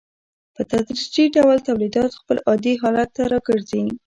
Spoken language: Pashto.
په تدریجي ډول تولیدات خپل عادي حالت ته راګرځي